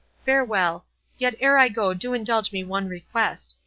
Farewell—yet, ere I go indulge me one request.